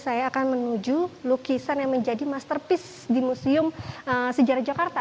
saya akan menuju lukisan yang menjadi masterpiece di museum sejarah jakarta